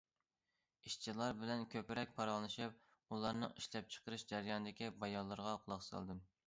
ئىشچىلار بىلەن كۆپرەك پاراڭلىشىپ ئۇلارنىڭ ئىشلەپچىقىرىش جەريانىدىكى بايانلىرىغا قۇلاق سالدىم.